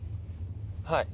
はい。